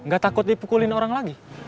gak takut dipukulin orang lagi